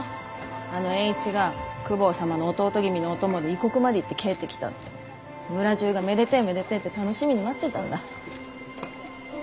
あの栄一が公方様の弟君のお供で異国まで行って帰ってきたって村中が「めでてぇめでてぇ」って楽しみに待ってたんだ。